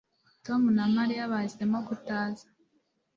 Tom na Mariya bahisemo kutaza